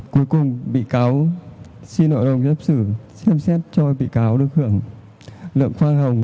cuối cùng bị cáo xin nội đồng giáp sử xem xét cho bị cáo được hưởng lượng khoan hồng